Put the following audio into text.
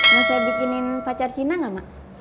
mau saya bikinin pacar cina gak mak